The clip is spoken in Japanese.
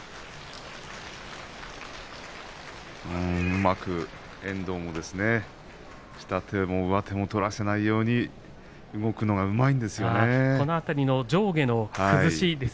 うまく遠藤も下手も、上手も取らせないように動くのがうまいですね。